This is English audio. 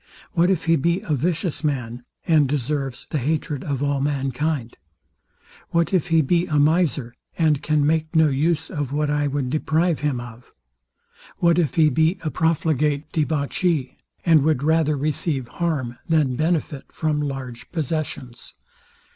What if he be a vicious man, and deserves the hatred of all mankind? What if he be a miser, and can make no use of what I would deprive him of? What if he be a profligate debauchee, and would rather receive harm than benefit from large possessions?